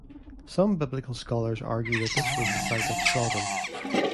Some biblical scholars argue that this was the site of "Sodom".